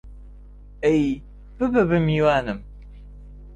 ئێ، ببە بە میوانم!